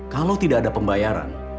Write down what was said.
kalau tidak ada pembayaran